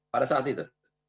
pada saat itu